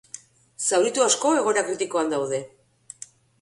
Zauritu asko egoera kritikoan daude.